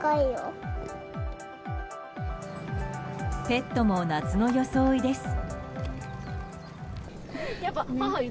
ペットも夏の装いです。